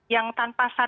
yang tanpa sadar